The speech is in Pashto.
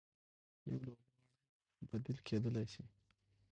يو لوبغاړی بديل کېدلای سي.